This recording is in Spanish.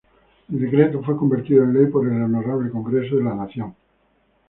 El Decreto fue convertido en Ley por el Honorable Congreso de la Nación.